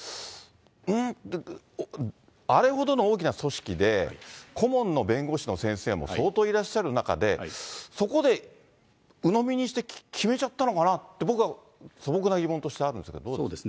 ん？と、あれほどの大きな組織で、顧問の弁護士の先生も相当いらっしゃる中で、そこでうのみにして決めちゃったのかなって、僕は素朴な疑問としてあるんですけど。